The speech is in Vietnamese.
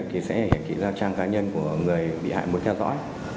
thì sẽ hiện kỹ ra trang cá nhân của người bị hại muốn theo dõi